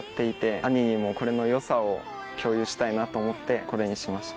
兄にもこれの良さを共有したいなと思ってこれにしました。